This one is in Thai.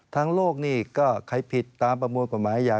ทางโลกก็ใครผิดตามประมวลปภัยอาญา